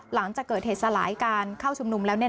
หลังจากเกิดเหตุสลายการเข้าชุมนุมแล้ว